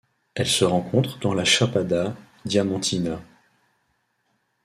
Elle se rencontre dans la Chapada Diamantina.